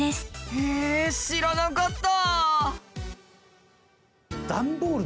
へえ知らなかった。